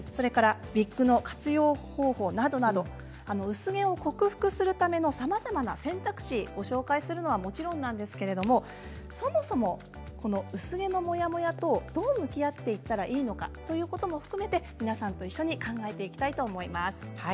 薄毛を克服するためのさまざまな選択肢をご紹介するのはもちろんなんですけれどもそもそも薄毛のモヤモヤとどう向き合っていったらいいのかということも含めて皆さんと一緒に考えていきたいと思います。